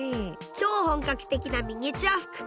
超本格的なミニチュア服。